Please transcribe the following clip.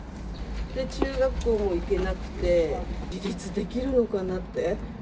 中学校も行けなくて、自立できるのかなって。